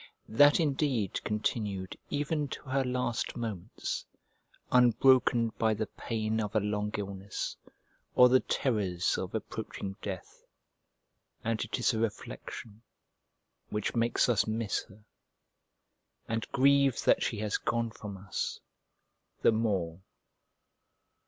That indeed continued even to her last moments, unbroken by the pain of a long illness, or the terrors of approaching death; and it is a reflection which makes us miss her, and grieve that she has gone from us, the more.